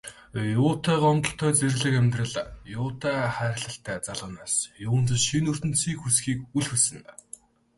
Юутай гомдолтой зэрлэг амьдрал, юутай хайрлалтай залуу нас, юунд шинэ ертөнцийг үзэхийг үл хүснэ.